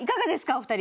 お二人。